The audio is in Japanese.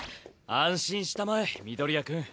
安心したまえ緑谷くん。